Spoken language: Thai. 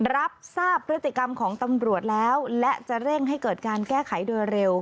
รับทราบพฤติกรรมของตำรวจแล้วและจะเร่งให้เกิดการแก้ไขโดยเร็ว